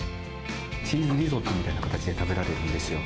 チーズリゾットみたいな形で食べられるんですよ。